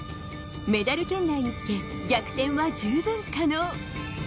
メダル圏内につけ、逆転は十分可能。